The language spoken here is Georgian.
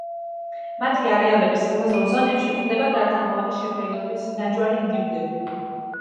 მათი არეალების სასაზღვრო ზონებში გვხვდება გარდამავალი შეფერილობის ნაჯვარი ინდივიდები.